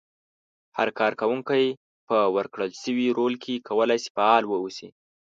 هر کار کوونکی په ورکړل شوي رول کې کولای شي فعال واوسي.